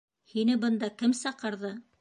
— Һине бында кем саҡырҙы?